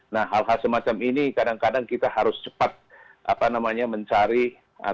nah hal hal semacam ini kadang kadang kita harus cepat apa namanya mencari